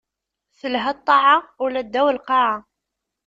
Telha ṭṭaɛa, ula ddaw lqaɛa.